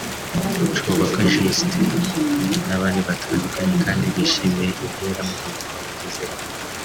Cubaka Justin n’abandi batandukanye kandi bishimiye intera mugenzi wabo agezeho